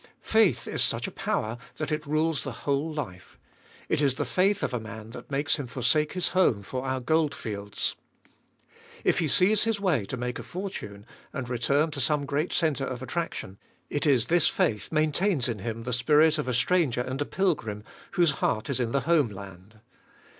Faith is such a power that it rules the whole life. It is the faith of a man that makes him forsake his home for our goldfields. If he sees his way to make a fortune, and return to some great centre of attraction, it is this faith maintains in him the spirit of a stranger and a pilgrim, whose heart is in the home land.